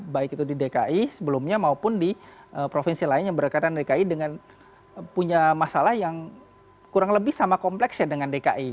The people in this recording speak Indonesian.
baik itu di dki sebelumnya maupun di provinsi lain yang berdekatan dki dengan punya masalah yang kurang lebih sama kompleksnya dengan dki